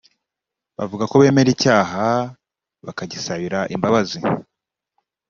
bavuga ko bemera icyaha bakagisabira imbabazi